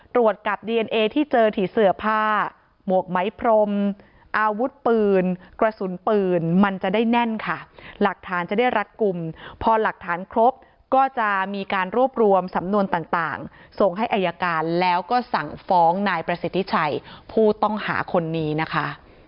ตรวจกับดีเอนเอที่เจอถี่เสือผ้าหมวกไม้พรมอาวุธปืนกระสุนปืนมันจะได้แน่นค่ะหลักฐานจะได้รัดกลุ่มพอหลักฐานครบก็จะมีการรวบรวมสำนวนต่างส่งให้อายการแล้วก็สั่งฟ้องนายประสิทธิชัยผู้ต้องหาคนนี้นะคะ